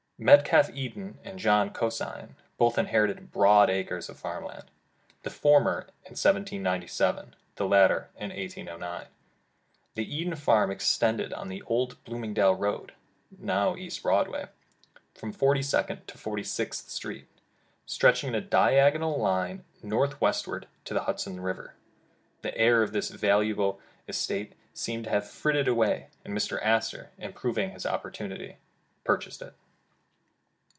Medcef Eden and John Cosine both inherited broad acres of farm land, the former in 1797, the latter in 1809. The Eden farm extended on the old Blooming dale road, now Broadway, from Forty second to Forty sixth Streets, stretching in a diagonal line north west ward to the Hudson River. The heir of this valuable estate seems to have frittered it away, and Mr. Astor, improving his opportunity, purchased it.